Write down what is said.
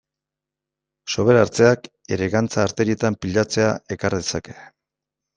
Sobera hartzeak ere gantza arterietan pilatzea ekar dezake.